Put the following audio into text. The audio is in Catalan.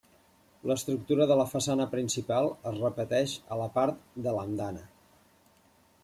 L'estructura de la façana principal es repeteix a la part de l'andana.